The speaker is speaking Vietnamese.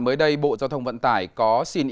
mới đây bộ giao thông vận tải có xin